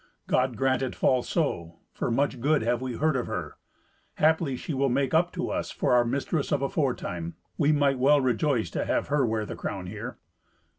"God grant it fall so, for much good have we heard of her. Haply she will make up to us for our mistress of aforetime. We might well rejoice to have her wear the crown here."